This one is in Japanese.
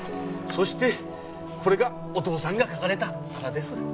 そしてこれがお父さんが描かれた皿です。